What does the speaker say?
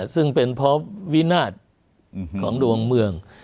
ซึ่งเป็นเพราะวินาศของดวงเมือง